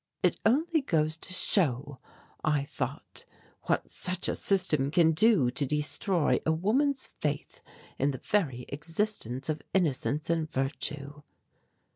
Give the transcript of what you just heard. "It only goes to show," I thought, "what such a system can do to destroy a woman's faith in the very existence of innocence and virtue."